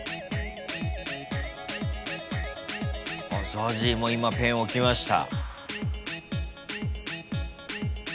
ＺＡＺＹも今ペンを置きました。